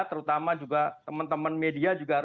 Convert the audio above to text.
terutama juga teman teman media juga